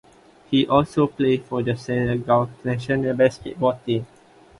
He also plays for the Senegal national basketball team.